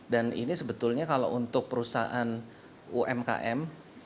dan ini sebetulnya kalau untuk perusahaan umkm